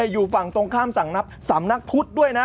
อยู่ฝั่งตรงข้ามสำนักพุทธด้วยนะ